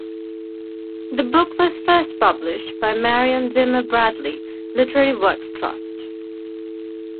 The book was first published by Marion Zimmer Bradley Literary Works Trust.